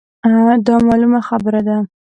دا مـعـلومـه خـبـره ده.